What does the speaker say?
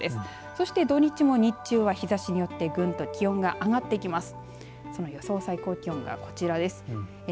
そして土日も日中は日ざしによってぐんと気温が上がってきます。